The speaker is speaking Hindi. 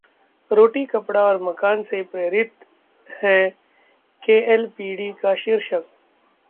'रोटी कपड़ा और मकान' से प्रेरित है 'केएलपीडी' का शीर्षक